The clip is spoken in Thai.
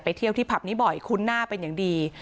เที่ยวที่ผับนี้บ่อยคุ้นหน้าเป็นอย่างดี